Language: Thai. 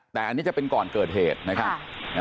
แต่อันนี้จะเป็นก่อนเกิดเหตุนะครับ